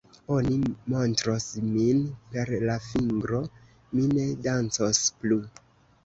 Oni montros min per la fingro; mi ne dancos plu.